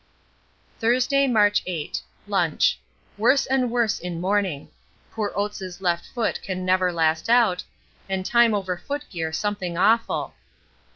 Thursday, March 8. Lunch. Worse and worse in morning; poor Oates' left foot can never last out, and time over foot gear something awful.